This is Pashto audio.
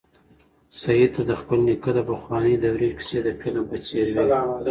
سعید ته د خپل نیکه د پخوانۍ دورې کیسې د فلم په څېر وې.